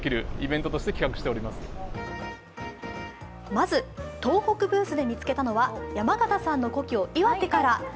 まず東北ブースで見つけたのが山形産の故郷、岩手から。